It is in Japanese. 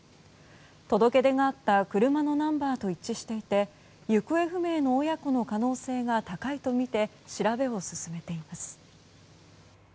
届け出があった車のナンバーと一致していて行方不明の親子の可能性が高いとみて調べを進めています。